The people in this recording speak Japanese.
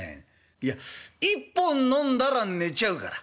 いや１本飲んだら寝ちゃうから。